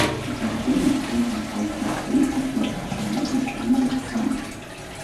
На платформе в кожаном пальто стоит отец Жени – полковник Александров.